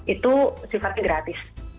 itu sifatnya gratis